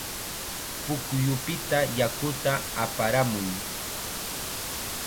Pukyupita yakuta aparamuy.